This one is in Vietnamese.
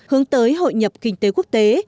hướng tới hội nhập kinh tế quốc tế